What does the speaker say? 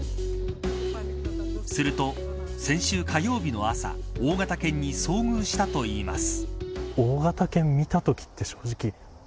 すると、先週火曜日の朝大型犬に遭遇したといいます。